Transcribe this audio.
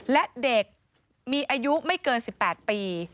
และเด็กมีอายุไม่เกิน๑๘ปี